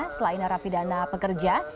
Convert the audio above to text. selain narapidana pekerja